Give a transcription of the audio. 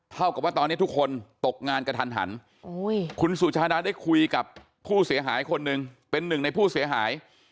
เท่ากับว่าตอนนี้ทุกคนตกงานกระทันหันคุณสุชาดาได้คุยกับผู้เสียหายคนหนึ่งเป็นหนึ่งในผู้เสียหาย